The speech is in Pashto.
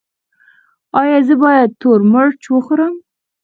ایا زه باید تور مرچ وخورم؟